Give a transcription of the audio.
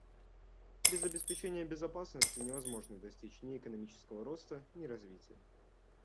Без обеспечения безопасности невозможно достичь ни экономического роста, ни развития.